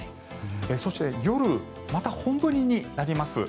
そして、夜また本降りになります。